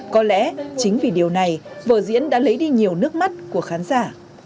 có lẽ chính vì điều này vở diễn đã lấy đi nhiều nước mắt của khán giả